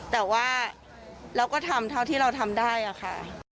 แต่ว่าเราก็ทำเท่าที่เราทำได้อะค่ะ